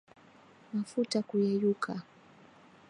Mafuta kuyeyuka